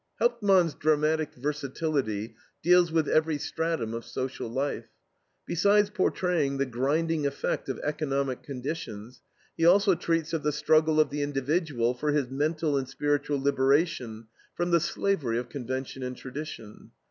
Hauptmann's dramatic versatility deals with every stratum of social life. Besides portraying the grinding effect of economic conditions, he also treats of the struggle of the individual for his mental and spiritual liberation from the slavery of convention and tradition.